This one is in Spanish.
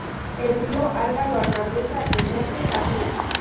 El río Arga lo atraviesa de norte a sur.